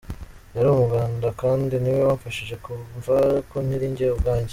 Yari umuganga kandi niwe wamfashije kumva ko nkiri jye ubwanjye.